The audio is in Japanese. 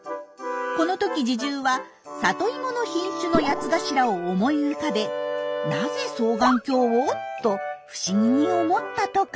このとき侍従は里芋の品種の「やつがしら」を思い浮かべなぜ双眼鏡を？と不思議に思ったとか。